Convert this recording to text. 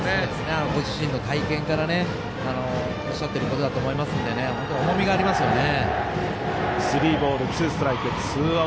ご自身の体験からおっしゃってることだと思いますので本当に重みがありますよね。